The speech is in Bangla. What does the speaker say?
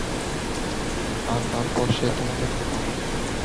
আর তারপর সে তোমাদেরকে পাঠায়।